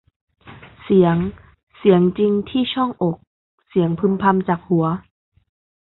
เสียง เสียงจริงที่ช่องอก เสียงพึมพำจากหัว